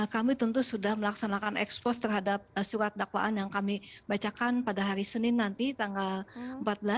kami tentu sudah melaksanakan ekspos terhadap surat dakwaan yang kami bacakan pada hari senin nanti tanggal empat belas